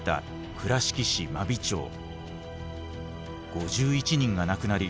５１人が亡くなり